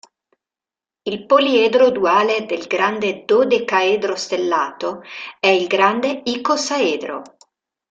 Il poliedro duale del grande dodecaedro stellato è il grande icosaedro.